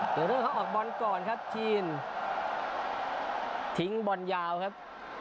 เดี๋ยวเริ่มเขาออกบอลก่อนครับทีมทิ้งบอลยาวครับ